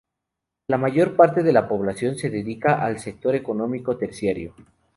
La mayor parte de la población se dedica al sector económico terciario.